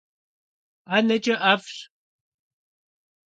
ӀэнэкӀэ ӀэфӀщ.